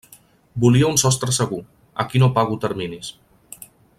Volia un sostre segur: aquí no pago terminis.